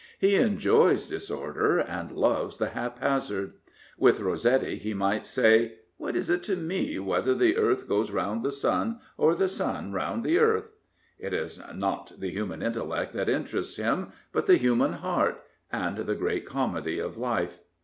He enjoys disorder and loves the haphazard. With Rossetti he might say, " What is it to me whether the earth goes round the sun or the sun round the earth ?" It is not the human intellect that interests him, but the human heart and the great comedy of life.